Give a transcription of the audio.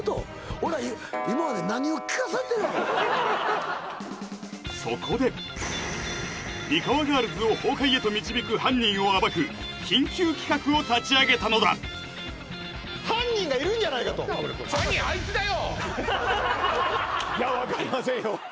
俺らそこでミカワガールズを崩壊へと導く犯人を暴く緊急企画を立ち上げたのだ犯人がいるんじゃないかといや分かりませんよ